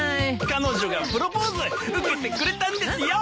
彼女がプロポーズ受けてくれたんですよ。